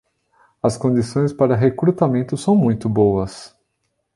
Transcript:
As condições para recrutamento são muito boas.